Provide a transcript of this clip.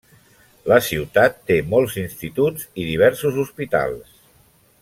La ciutat té molts instituts i diversos hospitals.